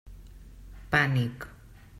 Pànic.